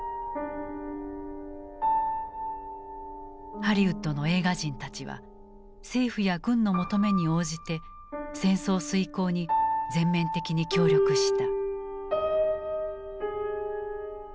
ハリウッドの映画人たちは政府や軍の求めに応じて戦争遂行に全面的に協力した。